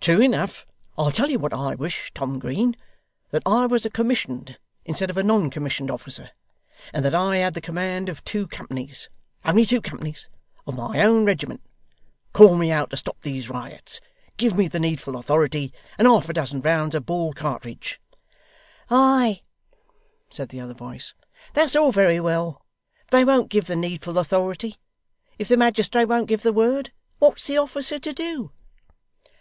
'True enough! I'll tell you what. I wish, Tom Green, that I was a commissioned instead of a non commissioned officer, and that I had the command of two companies only two companies of my own regiment. Call me out to stop these riots give me the needful authority, and half a dozen rounds of ball cartridge ' 'Ay!' said the other voice. 'That's all very well, but they won't give the needful authority. If the magistrate won't give the word, what's the officer to do?